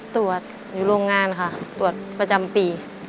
ตรวจอยู่โรงงานค่ะตรวจประจำปี